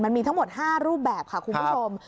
มันมีทั้งหมด๕รูปแบบค่ะคุณผู้ชม